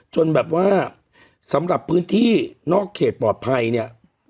จนแบบว่าสำหรับพื้นที่นอกเขตปลอดภัยเนี่ย